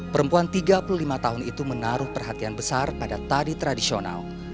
perempuan tiga puluh lima tahun itu menaruh perhatian besar pada tari tradisional